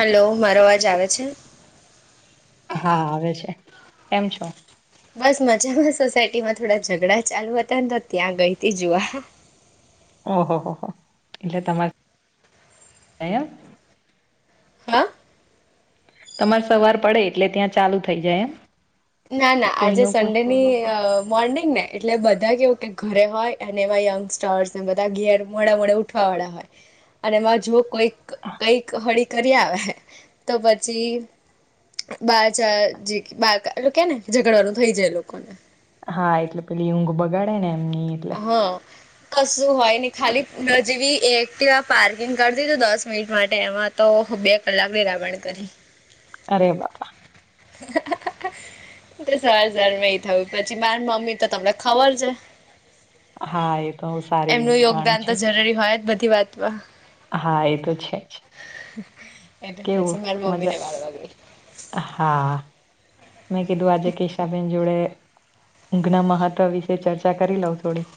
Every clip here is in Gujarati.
હલો મારો અવાજ આવે છે હા આવે છે કેમ છો બસ મજામાં સોસાયટી માં થોડા ઝઘડા ચાલુ હતા ને તો ત્યાં ગઈ જોવા ઓહો હો હો એટલે તમારે હા તમારે સવાર પડે એટલે ત્યાં ચાલુ થઈ જાય એમ ના ના કોઈ આજે ન કોઈ સન્ડેની મોર્નિંગ ને એટલે બધા કેવું કે ઘરે હોય અને એમાં યંગસ્ટારસ ને બધા ઘેર મળે મળે વાળા હોય અને એમાં જો કોઈક કઈક હળી કરી આવે તો પછી બા ચાર જે બા એટલે કે ને ઝઘડવાનું થઈ જાય એ લોકો ને હા એટલે પેલી ઊંઘ બગાડે ને એમની એટલે હા કશું હોય ને ખાલી જેવી એક્ટવા પાર્કિંગ કરતી દસ મિનિટ માટે એમાં. તો બે કલાક વિરાબણ કરી. અરે વા [inaudible] સર સર મે થયું પછી મારી મમ્મી તો તમને ખબર છે. હા એ તો હું સારી એમનું રીતે જાણું યોગદાન છું તો જરૂરી હોય જ બધી વાતમાં. હા એ તો છે. જ કેવું મજા [inaudible] હા મેં કીધું આજે કેશાબેન જોડે. ઊંઘના મહત્ત્વ વિશે ચર્ચા કરી લઉ થોડી.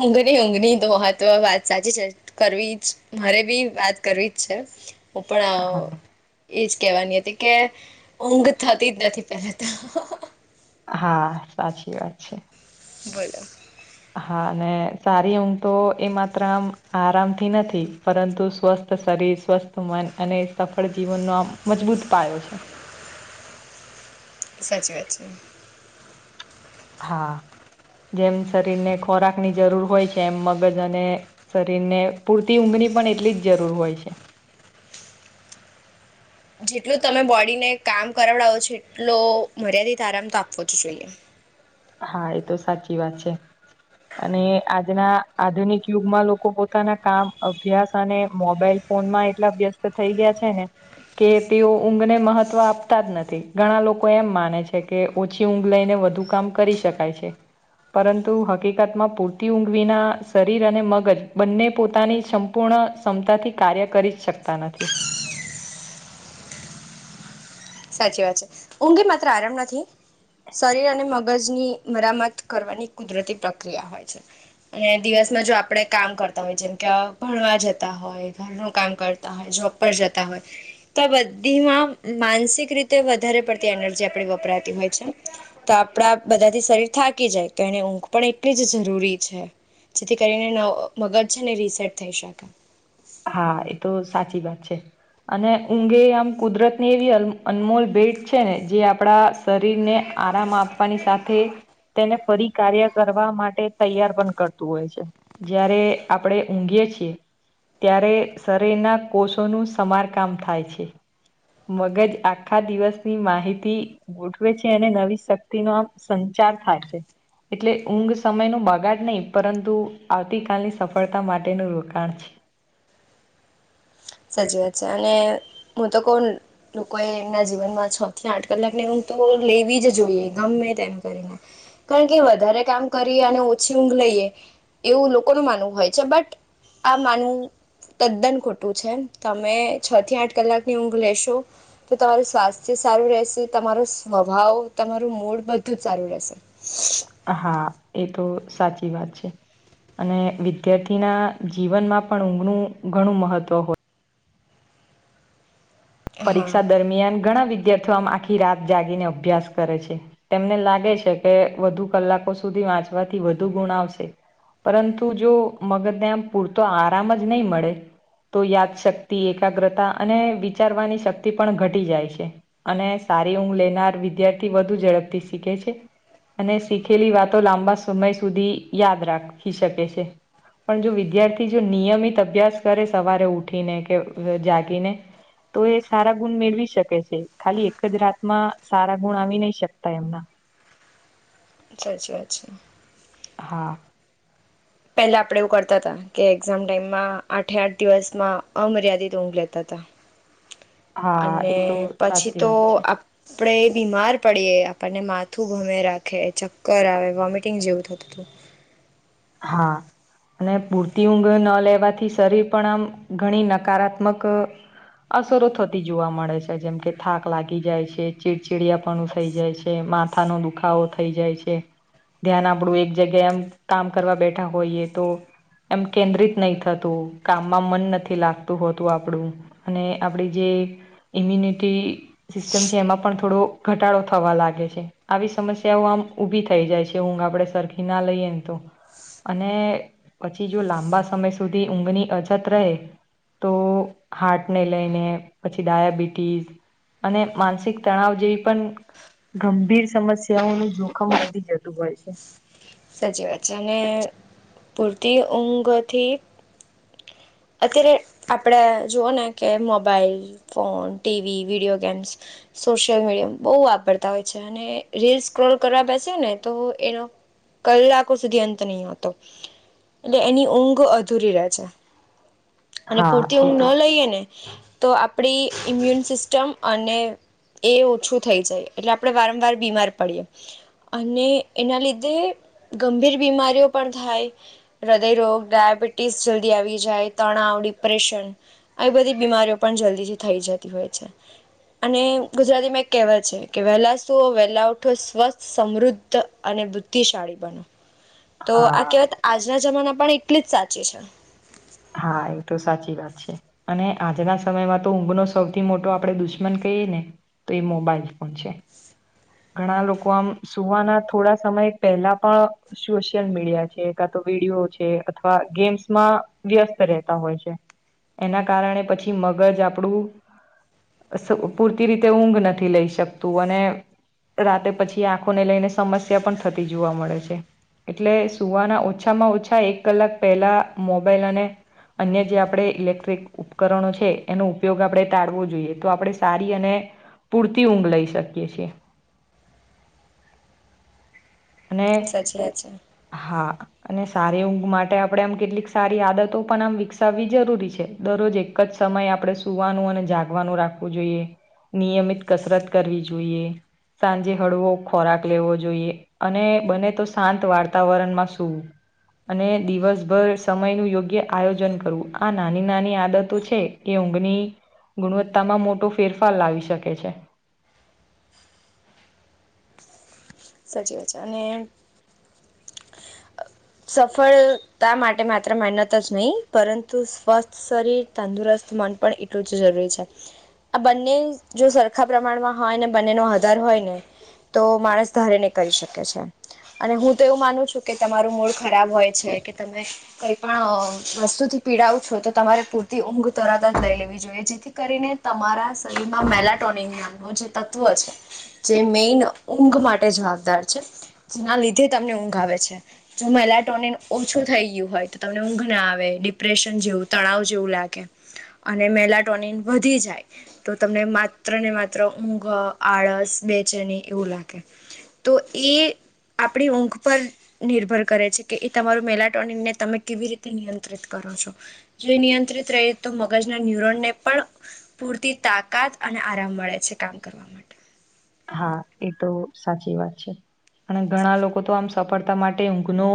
ઊંઘણી ઊંઘની તો મહત્વ વાત સાચી છે. કરવી જ મારે બી વાત કરવી જ છે હું પણ. હા એજ કેહેવાની હતી કે ઊંઘ થતી જ નથી પહેલા તો હા સાચી વાત છે [inaudible] હા અને સારી ઊંઘ તો એ માત્ર આમ આરામથી નથી પરંતુ સ્વસ શરીર સ્વસ્થ મન અને સફળ જીવનનો આમ મજબૂત પાયો છે. સાચી વાત છે. હા જેમ શરીર ને ખોરાકની જરૂર હોય છે એમ મગજ અને, શરીર ને પૂરતી ઊંઘની પણ એટલી જ જરૂર હોય છે. જેટલું તમે બોડીને કામ કરાવડાવો છો એટલો મર્યાદિત આરામ તો આપવો જ જોઈએ. હા એ તો સાચી વાત છે. અને આજના આધુનિક યુગમાં લોકો પોતાના કામ અભ્યાસ અને મોબાઈલ. ફોનમાં એટલા અભ્યસ્ત થઈ ગયા છે ને કે તેઓ ઊંઘને મહત્વ આપતા જ નથી ઘણા લોકો એમ માને છે કે ઓછી ઊંઘ લઈને વધુ કામ કરી શકાય છે. પરંતુ હકીકતમાં પૂરતી ઊંઘવીના શરીર અને મગજ બંને પોતાની સંપૂર્ણ ક્ષમતાથી કાર્ય કરી શકતા નથી. સાચી વાત છે ઊંઘે માત્ર આરામ નથી. શરીર અને મગજની મરામત કરવાની કુદરતી પ્રક્રિયા હોય છે. અને દિવસમાં જો આપણે કામ કરતા હોય જેમ કે ભણવા જતા હોય ઘરનું કામ કર જોબ પર જતા હોય તો આ બધીમાં માનસિક રીતે વધારે પડતી એનર્જી આપણે વપરાતી હોય છે. તો આપડા બધાથી શરીર થાકી જાય તો એને ઊંઘ પણ એટલી જ જરૂરી છે. જેથી કરીને મગજ છે ને રિસેટ થઈ શકે. હા એ તો સાચી વાત છે. અને ઊંઘે આમ કુદરત ની એવી અનમોલ ભેટ છે ને જે આપણા શરીરને આરામ આપવાની સાથે તેને ફરી કાર્ય કરવા માટે તૈયાર પણ કરતું હોય છે જયારે આપડે ઊંઘીય છીએ ત્યારે શરીરના કોષોનું સમારકામ થાય છે. મગજ આખા દિવસની માહિતી. ગોઠવે છે અને નવી શક્તિ નો આમ સંચાર થાય છે. એટલે ઊંઘ સમયનું બગાડ નહીં પરંતુ આવતીકાલની સફળતા માટેનું રોકાણ છે. હાચી વાત છે અને હું તો કોણ લોકો એ એમના જીવનમાં છ થી આઠ કલાક ને હું તો લેવી જ જોઈએ ગમે તેમ કરીને. કારણ કે વધારે કામ કરીએ અને ઓછી ઊંઘ લઈએ એવું લોકોનું માનવું હોય છે બટ આ માનવું તદ્દન ખોટું. તમે છ થી આઠ કલાકની ઊંઘ લેશો? તો તમારું સ્વાસ્થ્ય સારું રહેશે તમારો સ્વભાવ તમારું મૂડ બધું જ સારું રહેશે. હા એ તો સાચી વાત છે. અને વિદ્યાર્થીના જીવનમાં પણ ઊંઘનું ઘણું મહત્ત્વ હોય હા પરીક્ષા દરમિયાન ઘણા વિદ્યાર્થીઓ આમ આખી રાત જાગીને અભ્યાસ કરે છે. તેમને લાગે છે કે વધુ કલાકો સુધી વાંચવાથી વધુ ગુણ આવશે પરંતુ જો મગજને આમ પૂરતો આરામ જ નહીં મળે તો યાદશક્તિ એકાગ્રતા અને વિચારવાની શક્તિ પણ ઘટી જાય છે. અને સારી ઊંઘ લેનાર વિદ્યાર્થી વધુ ઝડપથી શીખે છે. અને શીખેલી વાતો લાંબા સમય સુધી યાદ રાખી શકે છે. પણ જો વિદ્યાર્થી જો નિયમિત અભ્યાસ કરે સવારે ઉઠીને કે જાગીને તો એ સારા ગુણ મેળવી શકે છે ખાલી એક જ રાતમાં સારા ગુણ આવી નહી શકતા એમના અછા અછા અછા હા પહેલા આપણે એવું કરતા હતા કે એક્ઝામ ટાઈમમાં આઠે આઠ દિવસમાં અમર્યાદિત ઊંઘ લેતા હતા [unintelligible] અને એ તો પછી સાચી તો વાત છે આપ આપડે એ બીમાર પડીએ આપણને માથું ઘુમેરાખે ચક્કર આવે વોમિટિંગ જેવું થતું હતુ. હા અને પૂરતી ઊંઘ ન લેવાથી શરીર પણ આમ ઘણી નકારાત્મક અસરો થતી જોવા મળે છે જેમ કે થાક લાગી જાય છે ચીડચીડયા પણ થઈ જાય છે મા થાનો દુખાવો થઈ જાય છે ધ્યાન આપડું એક જગ્યા એમ કામ કરવા બેઠા હોઈએ તો એમ કેન્દ્રિત નહી થતું કામમાં મન નથી લાગતું હોતું આપણું અને આપણી જે ઇમ્યુનિટી સિસ્ટમ છે એમાં પણ થોડો ઘટાડો થવા લાગે છે આવી સમસ્યાઓ આમ ઉભી થઈ જાય છે ઊંઘ આપડે સરખી ના લઈએને તો અને પછી જો લાંબા સમય સુધી ઊંઘની અછત રહે તો હાર્ટને લઈને પછી ડાયાબિટીસ અને માનસિક તણાવ જેવી પણ ગંભીર સમસ્યાઓનું જોખમ વધી જતું હોય છે. સાચીવાત છે અને પૂરતી ઊંઘથી અત્યારે આપણે જુઓ ને કે mobile phone TV video games social media બો વાપરતા હોય છે‌. અને રીલ્સ સ્ક્રોલ કરવા બેશેને તો એનો કલાકો સુધી અંત નહીં આવતો એટલે એની ઊંઘ અધૂરી રહે છે. અને હા પૂરતી એ ઊંઘ તો ન લઈએ ને તો આપણી ઇમ્યુન સિસ્ટમ અને એ ઓછું થઈ જાય એટલે આપડણે વારમવાર બીમાર પડીએ અને એના લીધે ગંભીર બીમારીઓ પણ થાય હૃદય રોગ ડાયાબિટીસ જલ્દી આવી જાય તણાવ ડિપ્રેશન આવી બધી બીમારીઓ પણ જલ્દીથી થઈ જતી હોય છે. અને ગુજરાતીમાં એક કહેવા છે કે વહેલા સુવો વહેલા ઉઠો સ્વસ્થ સમૃદ્ધ અને બુદ્ધિશાળી બનો તો આ હા કહેવત આજના જમાના પણ એટલી જ સાચી છે. હા એ તો સાચી વાત છે. અને આજના સમયમાં તો ઊંઘનો સૌથી મોટો આપણે દુશ્મન કહીએ ને તો એ મોબાઈલ ફોન છે. ઘણા લોકો આમ સુવાના થોડા સમય પહેલા પણ સોશિયલ મીડિયા છે કા તો વિડીયો છે અથવા ગેમ્સમાં વ્યસ્ત રહેતા હોય છે. એના કારણે પછી મગજ આપણું પૂરતી રીતે ઊંઘ નથી લઈ શકતું અને રાતે પછી આંખોને લઈને સમસ્યા પણ થતી જોવા મળે છે. એટલે સુવાના ઓછામાં ઓછા એક કલાક પહેલા મોબાઈલ અને અન્ય જે આપણે ઇલેક્ટ્રિક ઉપકરણો છે એનો ઉપયોગ આપણે ટાળવો જોઈએ તો આપણે સારી અને પૂરતી ઊંઘ લઈ શકીએ છીએ અને સાચી વાત છે હા અને સારી ઊંઘ માટે આપણે આમ કેટલીક સારી આદતો પણ આમ વિકસાવવી જરૂરી છે દરરોજ એક જ સમયે આપણે સુવાનું અને જાગવાનું રાખવું જોઈએ નિયમિત કસરત કરવી જોઈએ સાંજે હળવો ખોરાક લેવો જોઈએ અને બને તો શાંત વાર્તાવરણમાં શું અને દિવસભર સમયનું યોગ્ય આયોજન કરવું આ નાની નાની આદતો છે એ ઊંઘની ગુણવત્તા માં મોટો ફેરફાર લાવી શકે છે સાચી વાત છે અને સફળતા માટે માત્ર મહેનત જ નહીં પરંતુ સ્વસ્થ શરીર તંદુરસ્ત મન પણ એટલું જ જરૂરી છે આ બંને જો સરખા પ્રમાણમાં હોય ને બંનેનો આધાર હોય ને તો માણસ ધારીને કરી શકે છે અને હું તો એવું માનું છું કે તમારું મૂળ ખરાબ હોય છે કે તમે કઈ પણ વસ્તુથી પીડાવું છો તો તમારે પૂરતી ઊંઘ તરત જ લઈ લેવી જોઈએ જેથી કરીને તમારા શરીરમાં મેલાટોન નામ ન જે તત્વ છે જે મેન ઊંઘ માટે જવાબદાર છે જેના લીધે તમને ઊંઘ આવે છે જો મહિલા ટોની ઓછું થઈ ગયું હોય તો તમને ઊંઘ ના આવે ડિપ્રેશન જેવું તળાવ જેવું લાગે અને મેલાટોનિન વધી જાય તો તમને માત્ર ને માત્ર ઊંઘ આળસ બેચેની એવું લાગે તો એ આપણી ઊંઘ પર નિર્ભર કરે છે કે એ તમારું મેલાટોનિંગને તમે કેવી રીતે નિયંત્રિત કરો છો જો નિયંત્રિત રહી તો મગજના ન્યુરોનને પણ પૂરતી તાકાત અને આરામ મળે છે કામ કરવા માટે હા એ તો સાચી વાત છે અને ઘણા લોકો તો આમ સફળતા માટે ઊંઘનો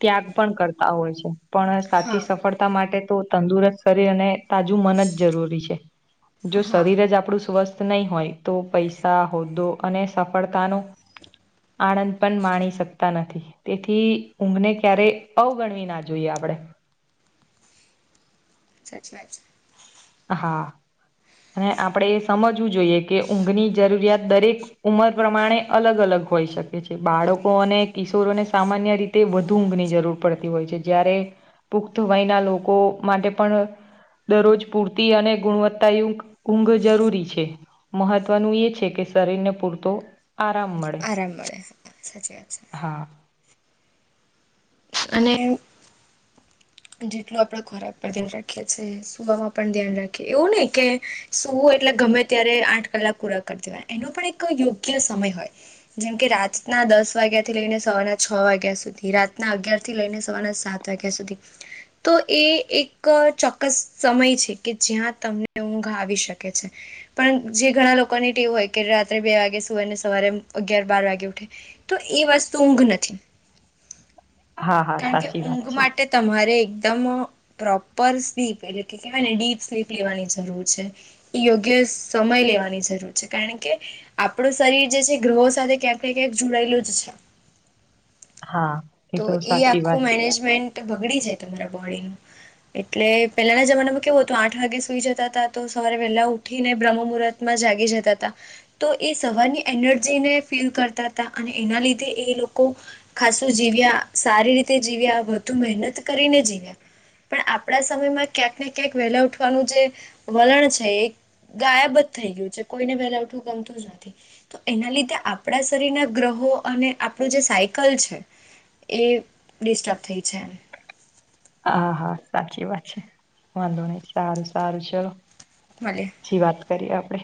ત્યાગ પણ કરતા હોય છે પણ હા સાચી સફળતા માટે તો તંદુરસ્ત શરીર અને તાજું મન જ જરૂરી છે જો હા શરીર જ આપણું સ્વસ્થ નહીં હોય તો પૈસા હોદ્દો અને સફળતાનો આણંદ પણ માણી શકતા નથી તેથી ઊંઘને ક્યારે અવગણવી ના જોઈએ આપડણે સાચી વાત હા અને આપણેે એ સમજવું જોઈએ કે ઊંઘની જરૂરિયાત દરેક ઉંમર પ્રમાણે અલગ અલગ હોઈ શકે છે બાળકો અને કિશોરોને સામાન્ય રીતે તે વધુ ઊંઘની જરૂર પડતી હોય છે જ્યારે પુખ્ત વયના લોકો માટે પણ દરરોજ પૂરતી અને ગુણવત્તાય ઊંઘ જરૂરી છે મહત્વનું એ છે કે શરીરને પૂરતો આરામ મળે આરામ મળે સાચી વાત છે હા અને જેટલું આપણે ખોરાક પર ધ્યાન રાખીએ છીએ સુવામાં પણ ધ્યાન રાખેએ એવું નને કે સુવું એટલે ગમે ત્યારે આઠ કલાક પુરાક રી દેવાય એનો પણ એક યોગ્ય સમય હોય જેમ કે રાતના દસ વાગ્યા થી લઈને સવારના છ વાગ્યા સુધી રાતના અગ્યાર થી લઈને સવારના સાત ત વાગ્યાં સુઘી તો એ એક ચોક્કસ સમય છે કે જ્યાં તમને ઊંઘ આવી શકે છે પણ જે ઘણા લોકોની ટીવ હોય કે રાત્રે બે વાગે સુવાય ને સવારે અગિયાર બાર વાગે ઉઠે તો એ વસ્તુ ઊંઘ નથી હા હા કારણ કે સાચી વાત ઊંઘ છે માટે તમારે એકદમ પ્રોપર સ્લીપ એટલે કે કેહેવાય ને ડીપ સ્લીપ લેવાની જરૂર છે એ યોગ્ય સમય લેવાની જરૂર છે કારણ કે આપણું શરીર જે છે ગ્રહો સાથે ક્યાંક ને ક્યાંક જોડાયેલું જ છે. હા તો એ સાચી આખું વાત છે મેનેજમેન્ટ બગડી જાય તમારા બોડીનું. એટલે પહેલાના જમાનામાં કેવું હતું આઠ વાગે સુઈ જતા હતા તો સવારે વહેલા ઉઠીને બ્રહ્મ મુહૂર્ત માં જાગી જતા તા. તો એ સવારની એનર્જીને ફીલ કરતા તા અને એના લીધે એ લોકો ખાસું જીવ્યા સારી રીતે જીવ્યા વધુ મહેનત કરીને જીવ્યા. પણ આપણા સમયમાં ક્યાંક ને ક્યાંક વેલા ઉઠવાનું જે વલણ છે એ ગાયબ જ થઈ ગયું છે કોઈને વેલા ઉઠવું ગમતું જ નથી. તો એના લીધે આપણા શરીરના ગ્રહો અને આપણું જે સાયકલ છે. એ ડિસ્ટર્બ થઈ છે એમ હા હા સાચી વાત છે વાંધો નઈ સારું સારું ચલો મલે પછી વાત કરીએ આપણે